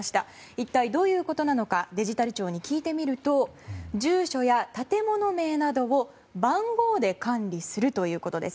一体どういうことなのかデジタル庁に聞いてみると住所や建物名などを番号で管理するということです。